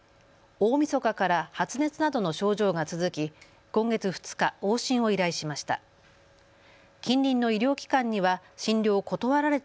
大みそかから発熱などの症状が続き今月２日往診を依頼しました。